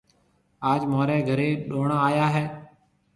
آج مهوريَ گھري ڏوڻا آيا هيَ۔